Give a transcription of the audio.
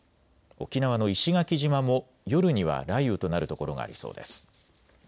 沖縄の石垣島も夜には雷雨となる所がありそうです。